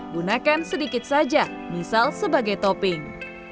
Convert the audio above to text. gunakan sedikit saja misal sebagai topping